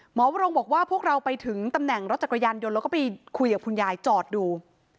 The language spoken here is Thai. หมอวรงบอกว่าพวกเราไปถึงตำแหน่งรถจักรยานยนต์แล้วก็ไปคุยกับคุณยายจอดดู